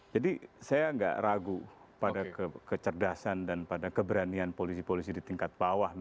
jadi saya nggak ragu pada kecerdasan dan pada keberanian polisi polisi di tingkat bawah misalnya gitu